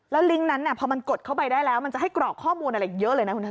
แล้วลิงก์นั้นพอมันกดเข้าไปได้แล้วมันจะให้กรอกข้อมูลอะไรเยอะเลยนะคุณทั